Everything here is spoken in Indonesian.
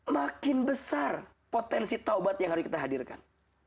makin besar potensi taubat yang harus kita hadirkan